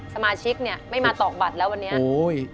สมาชิกไม่มาตอกบัตรแล้ววันนี้